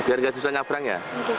biar gak susah nyabrang ya